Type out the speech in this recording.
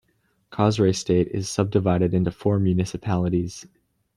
Kosrae State is subdivided into four municipalities.